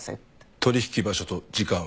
取引場所と時間は？